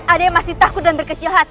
ada yang masih takut dan berkecil hati